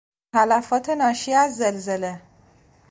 تلفات ناشی از زلزله